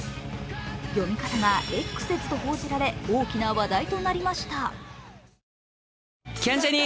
読み方がエックセズと報じられ、大きな話題となりました。